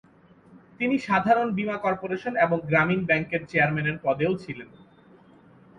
তিনি সাধারণ বিমা কর্পোরেশন এবং গ্রামীণ ব্যাংকের চেয়ারম্যানের পদেও ছিলেন।